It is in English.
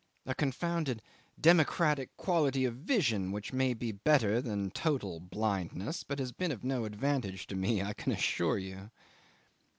A confounded democratic quality of vision which may be better than total blindness, but has been of no advantage to me, I can assure you.